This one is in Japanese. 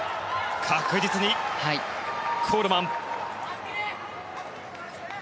確実にコールマン。